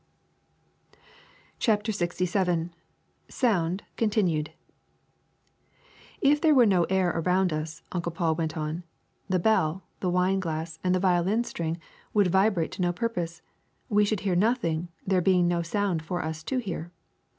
^' CHAPTER LXVII SOUND (continued) T F there were no air around us, '' Uncle Paul went A. on, *^the bell, the wine glass, and the violin string would vibrate to no purpose; we should hear noth ing, there being no sound for us to hear.